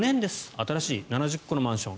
新しい、７０戸のマンション。